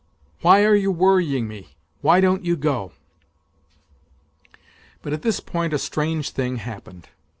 Why are you worrying me ? Why don't you go ?" But at this point a strange thing happened.